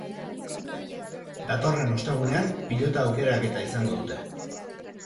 Datorren ostegunean pilota aukeraketa izango dute.